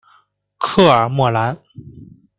科尔莫兰。